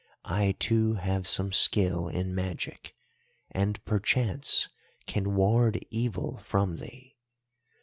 I too have some skill in magic, and perchance can ward evil from thee.